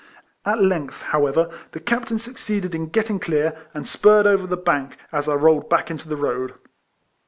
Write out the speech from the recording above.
At length, however, the captain suc ceeded in getting clear, and spurred over the bank, as I rolled back into the road.